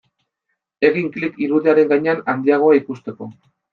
Egin klik irudiaren gainean handiagoa ikusteko.